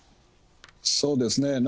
そうですね。